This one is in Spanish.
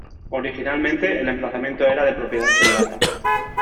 Originalmente, el emplazamiento era de propiedad privada.